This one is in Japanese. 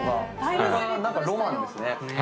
それがロマンですね。